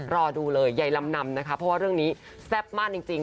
รอดูเลยใยลำนำนะคะเพราะว่าเรื่องนี้แซ่บมากจริง